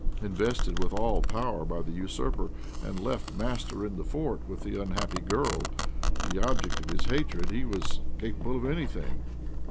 Invested with all power by the usurper, and left master in the fort, with the unhappy girl, the object of his hatred, he was capable of anything.